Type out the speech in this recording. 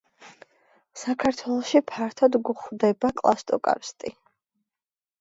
საქართველოში ფართოდ გვხვდება კლასტოკარსტი.